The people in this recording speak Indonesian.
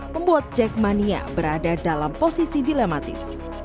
membuat jackmania berada dalam posisi dilematis